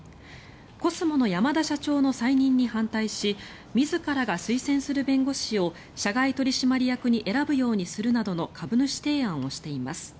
コスモの山田社長の再任に反対し自らが推薦する弁護士を社外取締役に選ぶようにするなどの株主提案をしています。